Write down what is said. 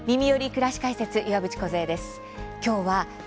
くらし解説」岩渕梢です。